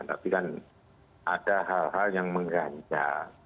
tapi kan ada hal hal yang mengganjal